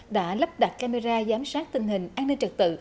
đã lắp đặt camera giám sát tình hình an ninh trật tự